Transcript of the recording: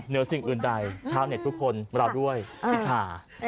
เหนือสิ่งอื่นใดชาวเน็ตทุกคนเราด้วยพิชา